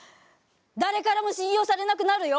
誰からも信用されなくなるよ。